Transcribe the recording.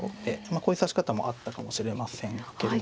こういう指し方もあったかもしれませんけれども。